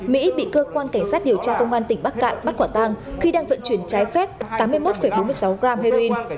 mỹ bị cơ quan cảnh sát điều tra công an tỉnh bắc cạn bắt quả tang khi đang vận chuyển trái phép tám mươi một bốn mươi sáu gram heroin